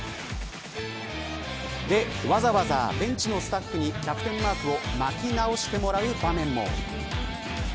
わざわざベンチのスタッフにキャプテンマークを巻き直してもらう場面も。